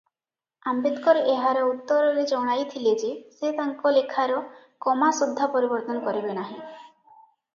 "ଆମ୍ବେଦକର ଏହାର ଉତ୍ତରରେ ଜଣାଇଥିଲେ ଯେ ସେ ତାଙ୍କ ଲେଖାର "କମା ସୁଦ୍ଧା ପରିବର୍ତ୍ତନ କରିବେ ନାହିଁ" ।"